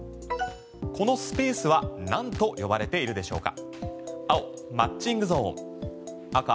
このスペースはなんと呼ばれているでしょうか。